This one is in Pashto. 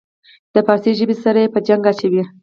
د پارسي ژبې سره یې په جنګ اچوي.